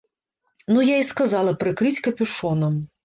Ну я і сказала прыкрыць капюшонам.